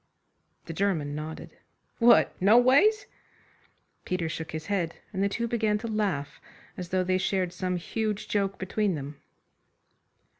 The German nodded. "What! Noways?" Peter shook his head, and the two began to laugh as though they shared some huge joke between them.